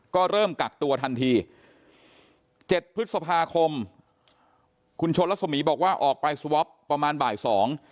ก็เริ่มกักตัวทันทีเจ็ดพฤษภาคมคุณชนรัศมีบอกว่าออกไปสวอปประมาณบ่ายสอง